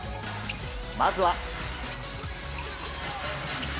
まずは。